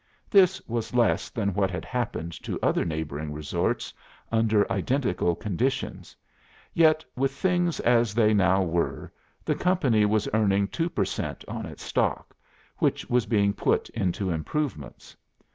This was less than what had happened to other neighbouring resorts under identical conditions; yet with things as they now were, the company was earning two per cent on its stock, which was being put into improvements.